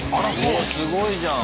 おすごいじゃん。